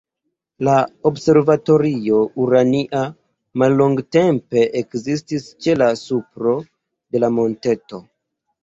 La Observatorio Urania mallongtempe ekzistis ĉe la supro de la monteto.